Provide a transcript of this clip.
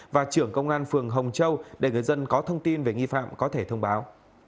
và trưởng công an phường hồng châu để người dân có thông tin về nghi phạm có thể thông báo